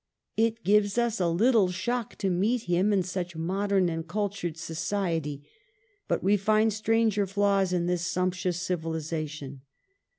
It gives us a little shock to meet him in such modern and cultured society, but we find stranger flaws in this sumptuous civilization.